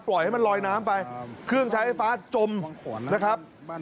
ให้มันลอยน้ำไปเครื่องใช้ไฟฟ้าจมนะครับ